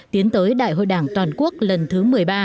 tiến tới đại hội đảng toàn quốc lần thứ một mươi ba